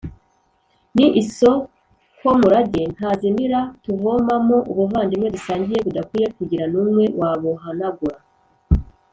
ni isokomurage ntazimira tuvomamo ubuvandimwe dusangiye, budakwiye kugira n’umwe wabuhanagura.